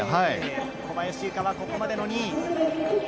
小林諭果はここまで２位。